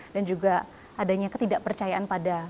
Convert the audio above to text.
dan juga adanya ketidakpercayaan pada